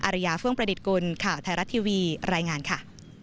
ริยาเฟื่องประดิษฐกุลข่าวไทยรัฐทีวีรายงานค่ะ